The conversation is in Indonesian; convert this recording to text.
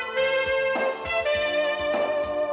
tak pasti kalau mau marah